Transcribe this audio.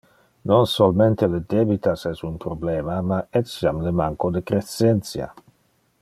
Non solmente le debitas es un problema, ma etiam le manco de crescentia.